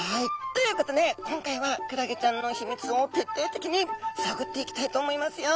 ということで今回はクラゲちゃんの秘密をてっていてきにさぐっていきたいと思いますよ。